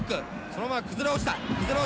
そのまま崩れ落ちた。